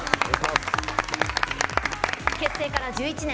結成から１１年。